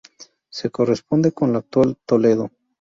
Se corresponde con la actual Toledo.